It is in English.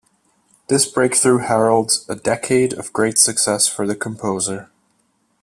This breakthrough heralds a decade of great success for the composer.